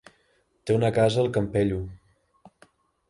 Té una casa al Campello.